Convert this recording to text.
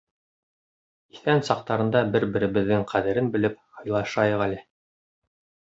Иҫән саҡтарында бер-беребеҙҙең ҡәҙерен белеп, һыйлашайыҡ әле.